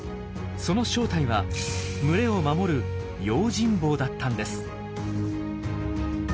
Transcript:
その正体は群れを守る「用心棒」だったんです！